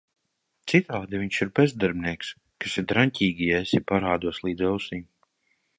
Citādi viņš ir bezdarbnieks - kas ir draņķīgi, ja esi parādos līdz ausīm…